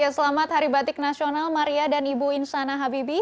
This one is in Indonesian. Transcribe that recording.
selamat hari batik nasional maria dan ibu insana habibi